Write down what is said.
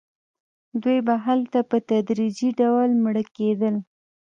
دوی به هلته په تدریجي ډول مړه کېدل.